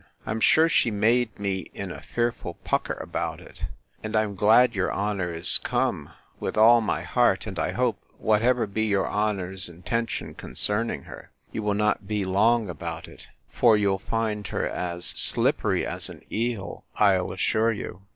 I'm sure she made me in a fearful pucker about it: And I am glad your honour is come, with all my heart; and I hope, whatever be your honour's intention concerning her, you will not be long about it; for you'll find her as slippery as an eel, I'll assure you.